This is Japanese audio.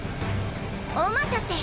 お待たせ。